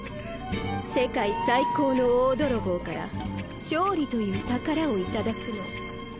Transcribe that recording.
世界最高の大泥棒から勝利という宝を頂くの。